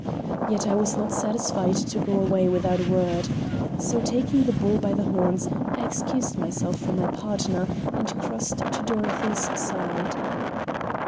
Yet I was not satisfied to go away without a word. So, taking the bull by the horns, I excused myself to my partner, and crossed to Dorothy's side.